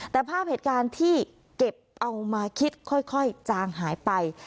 แต่ภาพเหตุการณ์ที่เก็บเอามาคิดค่อยจางหายไป